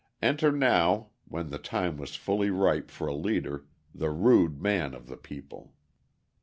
Enter now, when the time was fully ripe for a leader, the rude man of the people.